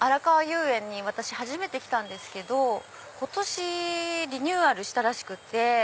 遊園に私初めて来たんですけど今年リニューアルしたらしくて。